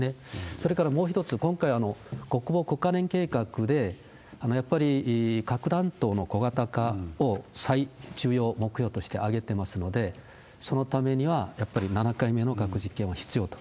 それからもう一つ、今回、国防５か年計画で、やっぱり核弾頭の小型化を最重要目標として挙げてますので、そのためには、やっぱり７回目の核実験は必要と。